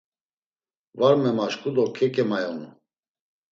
Var memeşku do keǩemayonu.